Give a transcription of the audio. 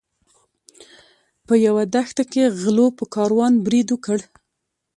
په یوه دښته کې غلو په کاروان برید وکړ.